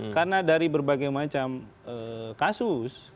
karena dari berbagai macam kasus